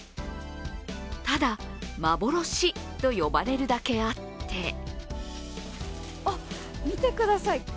ただ、幻と呼ばれるだけあってあっ、見てください。